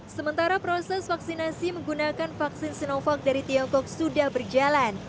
sementara proses vaksinasi menggunakan vaksin sinovac dari tiongkok sudah berjalan